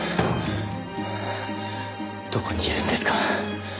どこにいるんですか？